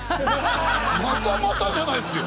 「またまた」じゃないっすよ